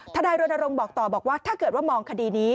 นายรณรงค์บอกต่อบอกว่าถ้าเกิดว่ามองคดีนี้